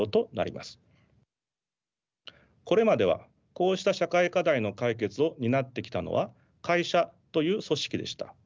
これまではこうした社会課題の解決を担ってきたのは会社という組織でした。